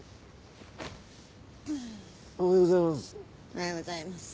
おはようございます。